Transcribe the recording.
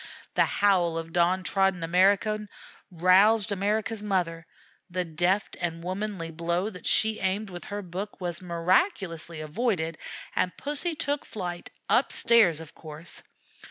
The howl of downtrodden America roused America's mother. The deft and womanly blow that she aimed with her book was miraculously avoided, and Pussy took flight, up stairs, of course.